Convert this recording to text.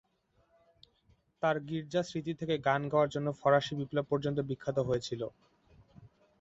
তার গীর্জা স্মৃতি থেকে গান গাওয়া জন্য ফরাসি বিপ্লব পর্যন্ত বিখ্যাত ছিল।